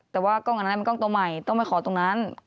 แต่ว่ากล้องอันนั้นมันกล้องตัวใหม่ต้องไปขอตรงนั้น